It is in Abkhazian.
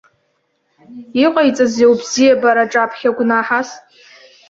Иҟаиҵазеи убзиабара аҿаԥхьа гәнаҳас?